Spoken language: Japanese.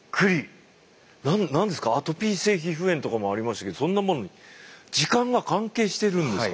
何ですかアトピー性皮膚炎とかもありましたけどそんなものに時間が関係してるんですか？